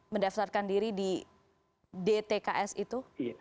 mendaftarkan diri di dtks itu